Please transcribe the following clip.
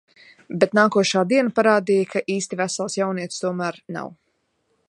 Bet nākošā diena parādīja, ka īsti vesels jaunietis tomēr nav.